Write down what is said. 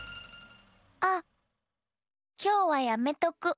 あっきょうはやめとく。